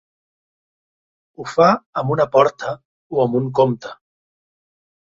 Ho fa amb una porta o amb un compte.